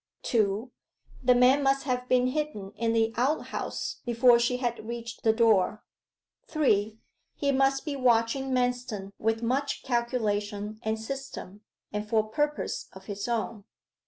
2. The man must have been hidden in the outhouse before she had reached the door. 3. He must be watching Manston with much calculation and system, and for purposes of his own.